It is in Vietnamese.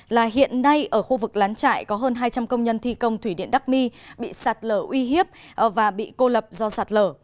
là hiện nay ở khu vực lán trại có hơn hai trăm linh công nhân thi công thủy điện đắc mi bị sạt lở uy hiếp và bị cô lập do sạt lở